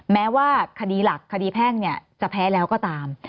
แม้ว่าคดีหลักคดีแพ่งจะแพ้แล้วก็ตาม